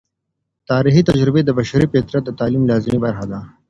تاریخي تجربې د بشري فطرت د تعلیم لازمي برخه ده.